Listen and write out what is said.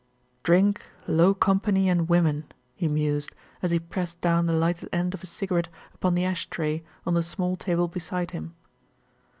"Drink, low company and women," he mused, as he pressed down the lighted end of his cigarette upon the ash tray on the small table beside him.